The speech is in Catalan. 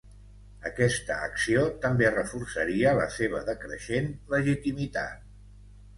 Aquesta acció també reforçaria la seva decreixent legitimitat.